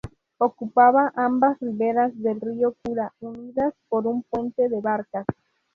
Ocupaba ambas riberas del río Kura, unidas por un puente de barcas.